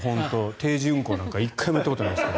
定時運行なんて１回もやったことないです。